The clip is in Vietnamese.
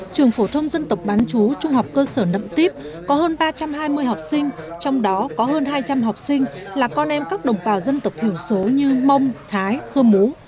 trường phổ thông dân tộc bán chú trung học cơ sở nậm tiếp có hơn ba trăm hai mươi học sinh trong đó có hơn hai trăm linh học sinh là con em các đồng bào dân tộc thiểu số như mông thái khơm mú